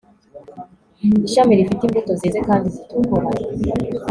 Ishami rifite imbuto zeze kandi zitukura